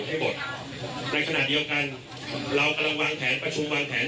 ให้หมดในขณะเดียวกันเรากำลังวางแผนประชุมวางแผน